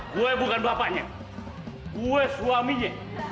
gue bukan bapaknya gue suaminya